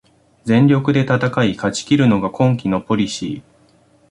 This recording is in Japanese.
全力で戦い勝ちきるのが今季のポリシー